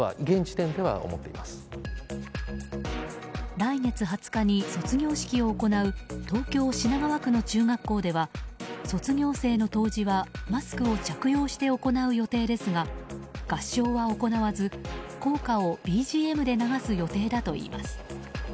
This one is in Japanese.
来月２０日に卒業式を行う東京・品川区の中学校では卒業生の答辞はマスクを着用して行う予定ですが合唱は行わず校歌をＢＧＭで流す予定だということです。